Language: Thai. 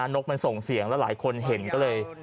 นกมันส่งเสียงแล้วหลายคนเห็นก็เลย